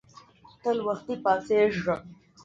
تل وختي پاڅیږه